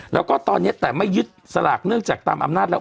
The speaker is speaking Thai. แล้วก็ตอนนี้แต่ไม่ยึดสลากเนื่องจากตามอำนาจแล้ว